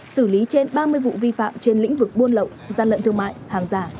xử lý trên ba mươi vụ vi phạm trên lĩnh vực buôn lậu gian lận thương mại hàng giả